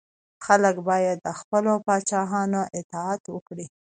خلګ باید د خپلو پاچاهانو اطاعت وکړي.